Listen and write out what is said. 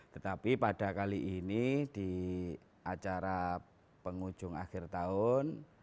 tetapi pada kali ini di acara penghujung akhir tahun